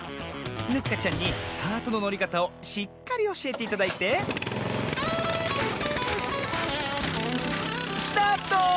ヌッカちゃんにカートののりかたをしっかりおしえていただいてスタート！